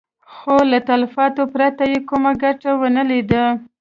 خو له تلفاتو پرته يې کومه ګټه ونه ليده.